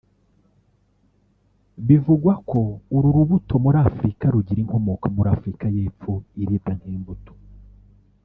Bivugwa ko uru rubuto muri Afurika rugira inkomoko muri Afurika y’Epfo iribwa nk’imbuto